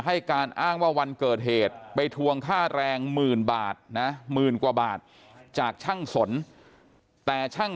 ให้การอ้างว่าวันเกิดเหตุไปทวงค่าแรงหมื่นบาทนะหมื่นกว่าบาทจากช่างสนแต่ช่าง